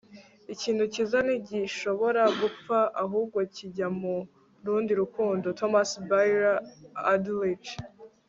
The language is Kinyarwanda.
ikintu cyiza ntigishobora gupfa, ahubwo kijya mu rundi rukundo - thomas bailey aldrich